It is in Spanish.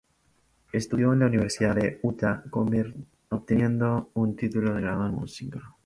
Estudió en la Universidad de Utah obteniendo un título de grado en música.